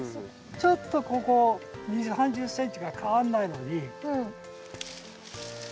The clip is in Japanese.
ちょっとここ２０３０ｃｍしか変わんないのに。